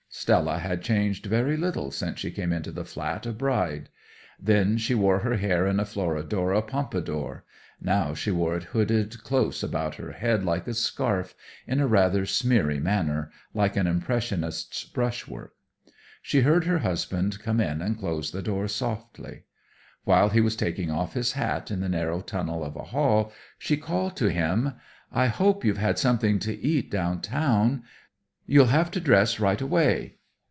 Stella had changed very little since she came into the flat a bride. Then she wore her hair in a Floradora pompadour; now she wore it hooded close about her head like a scarf, in a rather smeary manner, like an Impressionist's brush work. She heard her husband come in and close the door softly. While he was taking off his hat in the narrow tunnel of a hall, she called to him: "I hope you've had something to eat down town. You'll have to dress right away."